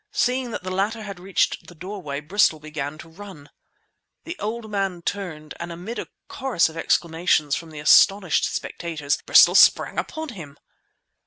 Seeing that the latter had reached the doorway, Bristol began to run. The old man turned; and amid a chorus of exclamations from the astonished spectators, Bristol sprang upon him!